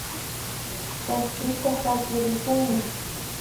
Kaspita pakirikunmi